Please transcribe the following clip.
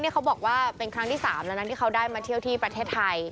เขาบอกว่าเป็นครั้งที่๓แล้วนะที่เขาได้มาเที่ยวที่ประเทศไทย